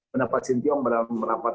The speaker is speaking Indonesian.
pendapat sintiom dalam merapat